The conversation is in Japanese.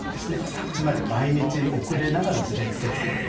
つまり毎日遅れながらズレてるという。